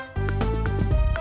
liat gue cabut ya